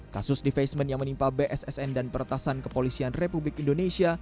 kasus defacement yang menimpa bssn dan peretasan kepolisian republik indonesia